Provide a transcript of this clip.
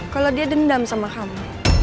kalau dia dendam sama hamu